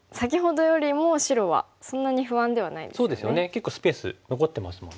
結構スペース残ってますもんね。